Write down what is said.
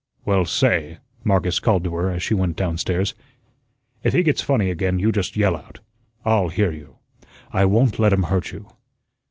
"Well, say," Marcus called to her as she went down stairs, "if he gets funny again, you just yell out; I'LL hear you. I won't let him hurt you."